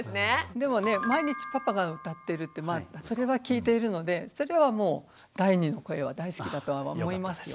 でもね毎日パパが歌ってるってそれは聞いているのでそれはもう第２の声は大好きだとは思いますよ。